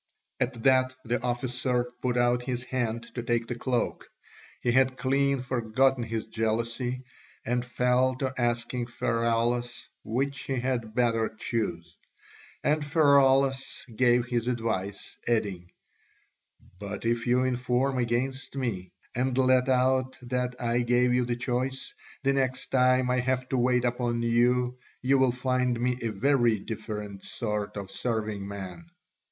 At that the officer put out his hand to take the cloak; he had clean forgotten his jealousy, and fell to asking Pheraulas which he had better choose. And Pheraulas gave his advice, adding, "But if you inform against me, and let out that I gave you the choice, the next time I have to wait upon you you will find me a very different sort of serving man."